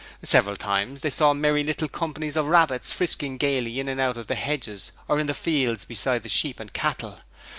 Several times they saw merry little companies of rabbits frisking gaily in and out of the hedges or in the fields beside the sheep and cattle.